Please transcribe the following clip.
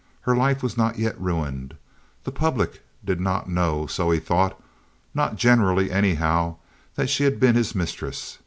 Her life was not yet ruined. The public did not know, so he thought—not generally anyhow—that she had been his mistress.